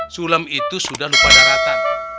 sulem itu sudah lupa daratan